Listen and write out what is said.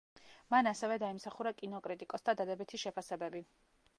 მან ასევე დაიმსახურა კინოკრიტიკოსთა დადებითი შეფასებები.